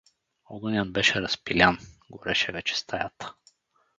Огънят беше разпилян, гореше вече стаята.